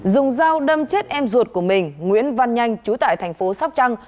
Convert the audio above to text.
dùng dao đâm chết em ruột của mình nguyễn văn nhanh trú tại thành phố sóc trăng